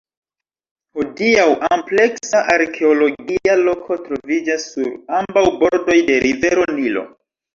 Hodiaŭ ampleksa arkeologia loko troviĝas sur ambaŭ bordoj de rivero Nilo.